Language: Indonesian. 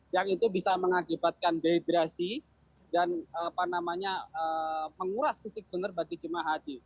yang itu bisa mengakibatkan dehidrasi dan menguras fisik benar bagi jemaah haji